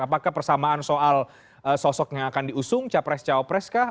apakah persamaan soal sosok yang akan diusung capres cawapres kah